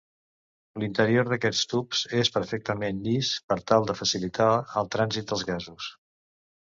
L'interior d'aquests tubs és perfectament llis per tal de facilitar el trànsit dels gasos.